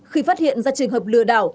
khi phát hiện ra trường hợp lừa